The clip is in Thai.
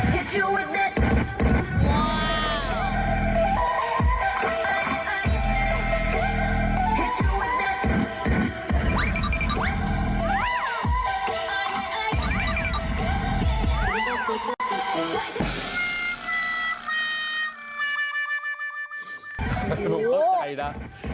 ผมเข้าใจนะ